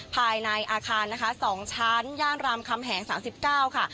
ภายในอาคารนะคะสองชั้นย่างรามคำแหงสามสิบเก้าค่ะ